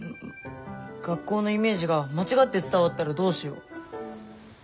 学校のイメージが間違って伝わったらどうしよう。